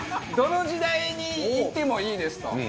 どの時代に行ってもいいですと。